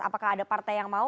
apakah ada partai yang mau